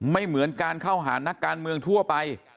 เหมือนการเข้าหานักการเมืองทั่วไป